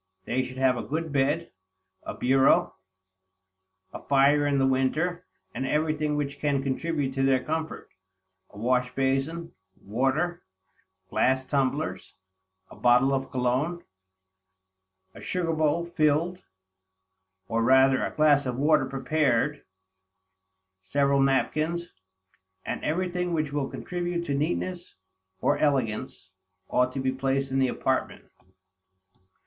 They should have a good bed, a bureau, a fire in the winter, and everything which can contribute to their comfort; a wash basin, water, glass tumblers, a bottle of cologne, a sugar bowl filled, or rather a glass of water prepared, several napkins, and everything which will contribute to neatness, or elegance, ought to be placed in the apartment.